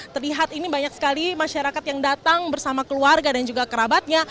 terlihat ini banyak sekali masyarakat yang datang bersama keluarga dan juga kerabatnya